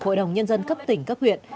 hội đồng nhân dân cấp tỉnh cấp huyện